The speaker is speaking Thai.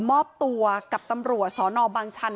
มอบตัวกับตัวกับและสมรวจสอนอบางชัน